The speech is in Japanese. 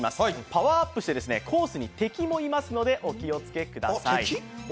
パワーアップしてコースに敵もいますので、お気をつけください。